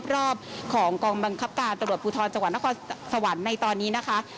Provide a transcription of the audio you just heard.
รอบของกองบังคับการตำรวจภูทรจังหวัดนครสวรรค์ในตอนนี้นะคะ